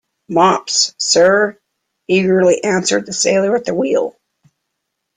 Mops, sir, eagerly answered the sailor at the wheel.